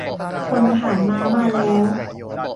พลทหารม้ามาแล้ว